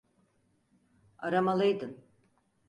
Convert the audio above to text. Aramalıydın.